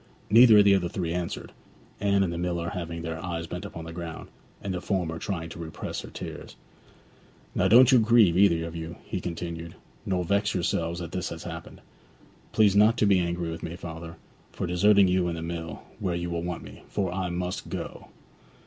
Neither of the other three answered, Anne and the miller having their eyes bent upon the ground, and the former trying to repress her tears. 'Now don't you grieve, either of you,' he continued; 'nor vex yourselves that this has happened. Please not to be angry with me, father, for deserting you and the mill, where you want me, for I must go.